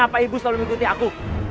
bapak ibu selalu mengikuti aku